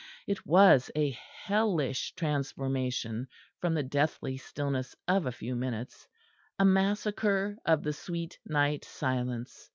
It was a hellish transformation from the deathly stillness of a few minutes a massacre of the sweet night silence.